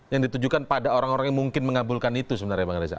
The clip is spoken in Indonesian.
yang ditujukan pada orang orang yang mungkin mengabulkan itu sebenarnya bang reza